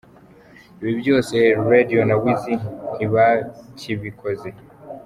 Ibi byose, Radio na Weasel ntibakibikoze.